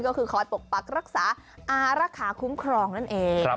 ก็คือคอยปกปักรักษาอารักษาคุ้มครองนั่นเอง